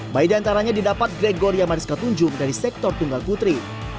buy diantaranya didapat gregor yamaris katunjung dari sektor tunggal putri